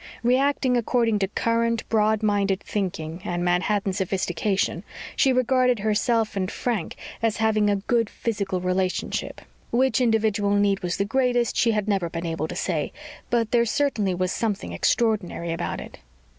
Reacting according to current, "broad minded" thinking and Manhattan sophistication, she regarded herself and Frank as having a "good physical relationship." Which individual need was the greatest, she had never been able to say. But there certainly was something extraordinary about it.